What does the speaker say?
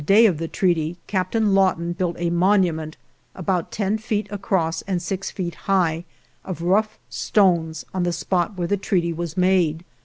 On the afternoon of the day of the treaty Captain Lawton built a monument (about ten feet across and six feet high) of rough stones at the spot where the treaty was made.